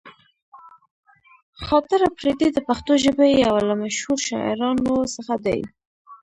خاطر اپريدی د پښتو ژبې يو له مشهورو شاعرانو څخه دې.